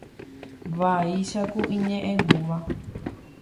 Vaicháku iñe'ẽngúva.